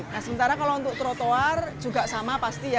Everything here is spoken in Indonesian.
nah sementara kalau untuk trotoar juga sama pasti ya